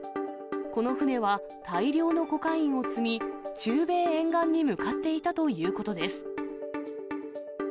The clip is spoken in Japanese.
この船は大量のコカインを積み、中米沿岸に向かっていたということです。